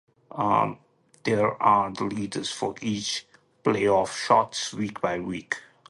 These are the leaders for each playoff slot, week by week.